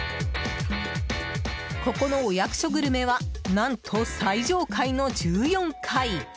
ここのお役所グルメは何と最上階の１４階。